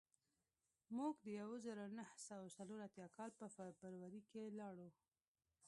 موږ د یو زرو نهه سوه څلور اتیا کال په فبروري کې لاړو